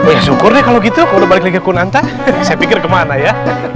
ya syukur deh kalau gitu baru balik lagi ke kunanta saya pikir kemana ya